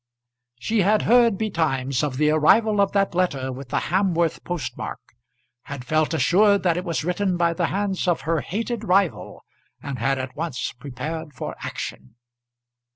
She had heard betimes of the arrival of that letter with the Hamworth post mark, had felt assured that it was written by the hands of her hated rival, and had at once prepared for action.